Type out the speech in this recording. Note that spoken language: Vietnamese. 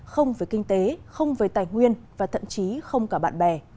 không với kinh tế không với tài nguyên và thậm chí không cả bạn bè